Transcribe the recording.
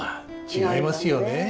違いますね。